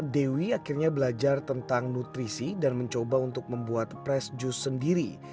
dewi akhirnya belajar tentang nutrisi dan mencoba untuk membuat press jus sendiri